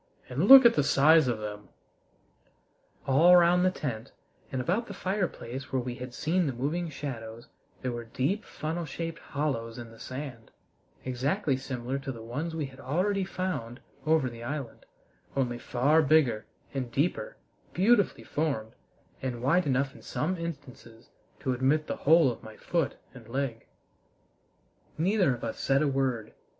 "And look at the size of them!" All round the tent and about the fireplace where we had seen the moving shadows there were deep funnel shaped hollows in the sand, exactly similar to the ones we had already found over the island, only far bigger and deeper, beautifully formed, and wide enough in some instances to admit the whole of my foot and leg. Neither of us said a word.